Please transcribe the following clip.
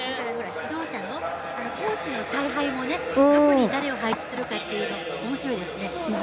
指導者、コーチの采配もどこに誰を配置するかというのがおもしろいですね。